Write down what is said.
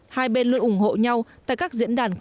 hai bên luôn ủng hộ nhau tại các diễn đàn